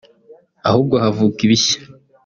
ahubwo havuka ibishya